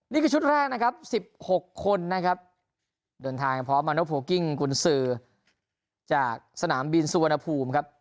นี่คือชุดแรกนะครับ๑๖คนนะครับเดินทางพร้อมมาโนโพลกิ้งกุญสือจากสนามบินสุวรรณภูมิครับ